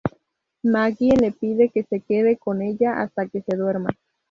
Maggie le pide que se quede con ella hasta que se duerma.